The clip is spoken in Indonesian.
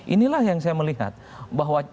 inilah yang saya melihat bahwa